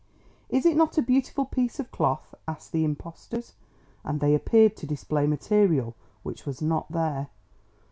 "Is it not a beautiful piece of cloth?" asked the impostors, and they appeared to display material which was not there.